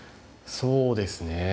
そうですね。